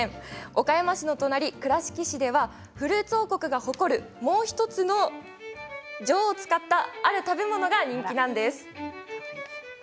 岡山市の隣、倉敷市ではフルーツ王国が誇るもう１つの女王を使ったある食べ物が人気なんです。